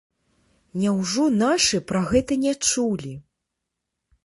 Няўжо нашы пра гэта не чулі?